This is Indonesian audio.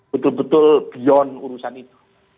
betul betul beyond urusan itu